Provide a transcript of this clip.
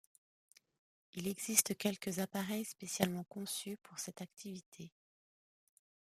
Il existe quelques appareils spécialement conçus pour cette activité.